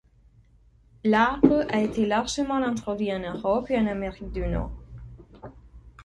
L'arbre a été largement introduit en Europe et en Amérique du Nord.